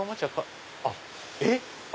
えっ⁉